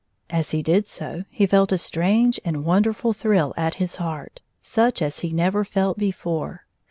As he did so, he felt a strange and wonderftd thrill at his heart, such as he never felt before.